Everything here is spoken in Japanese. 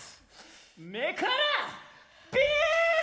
目からビーム！